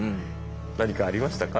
何かありましたか？